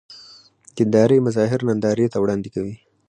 دیندارۍ مظاهر نندارې ته وړاندې کوي.